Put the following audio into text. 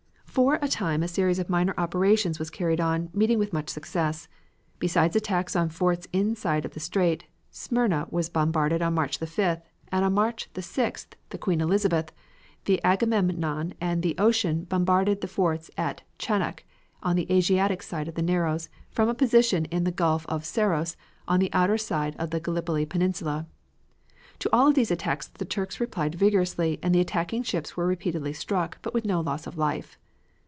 For a time a series of minor operations was carried on, meeting with much success. Besides attacks on forts inside of the strait, Smyrna was bombarded on March the 5th, and on March the 6th the Queen Elizabeth, the Agamemnon and the Ocean bombarded the forts at Chanak on the Asiatic side of the Narrows, from a position in the gulf of Saros on the outer side of the Gallipoli Peninsula. To all of these attacks the Turks replied vigorously and the attacking ships were repeatedly struck, but with no loss of life.